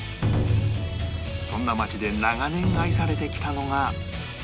そんな街で長年愛されてきたのが